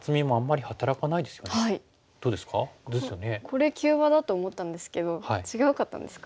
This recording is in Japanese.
これ急場だと思ったんですけど違うかったんですか？